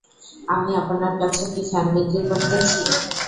আমি আপনার কাছে কী ফ্যান বিক্রি করতেছি?